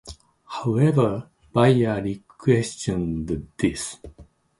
However, buyers questioned this.